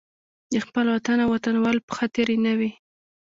د خپل وطن او وطنوالو په خاطر یې نه وي.